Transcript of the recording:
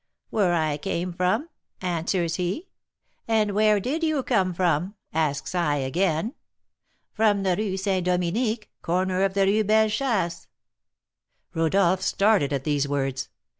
'Where I came from,' answers he. 'And where did you come from?' asks I again. 'From the Rue St. Dominique, corner of the Rue Belle Chasse.'" Rodolph started at these words.